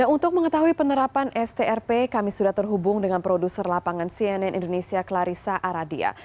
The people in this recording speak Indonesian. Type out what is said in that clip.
untuk mengetahui penerapan strp kami sudah terhubung dengan produser lapangan cnn indonesia clarissa aradia